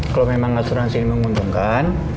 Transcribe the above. kalau memang asuransi ini menguntungkan